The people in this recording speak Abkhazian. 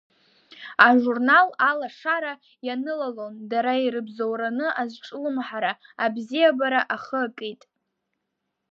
Ажурнал Алашара ианылалон, дара ирыбзоураны азҿлымҳара, абзиабара ахы акит.